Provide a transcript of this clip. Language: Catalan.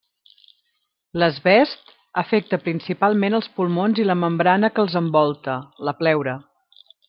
L'asbest afecta principalment els pulmons i la membrana que els envolta, la pleura.